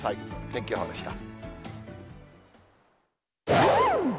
天気予報でした。